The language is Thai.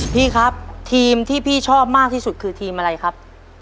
พี่ครับทีมที่พี่ชอบมากที่สุดคือทีมอะไรครับ